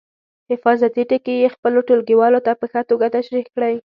حفاظتي ټکي یې خپلو ټولګیوالو ته په ښه توګه تشریح کړئ.